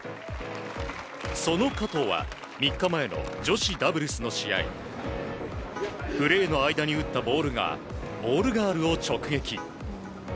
その加藤は、３日前の女子ダブルスの試合プレーの間に打ったボールがボールガールを直撃。